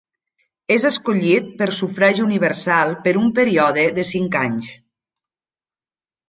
És escollit per sufragi universal per un període de cinc anys.